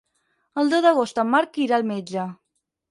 El deu d'agost en Marc irà al metge.